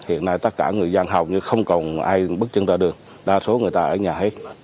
hiện nay tất cả người dân học nhưng không còn ai bước chân ra đường đa số người ta ở nhà hết